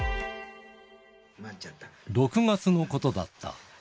６月のことだった。